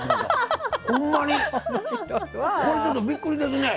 これちょっとびっくりですね。